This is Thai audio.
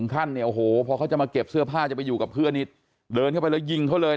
วันนี้มาดักรออยู่เนี่ย